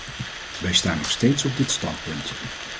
Wij staan nog steeds op dit standpunt.